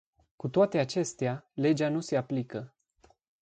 Cu toate acestea, legea nu se aplică.